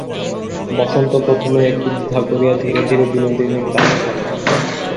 বসন্ত প্রথমে একটু দ্বিধা করিয়া, ধীরে ধীরে বিনোদিনীর কাছে গেল।